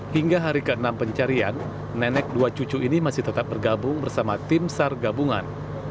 hingga hari ke enam pencarian nenek dua cucu ini masih tetap bergabung bersama tim sar gabungan